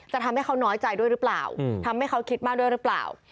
ทำให้เขาน้อยใจด้วยหรือเปล่าทำให้เขาคิดมากด้วยหรือเปล่า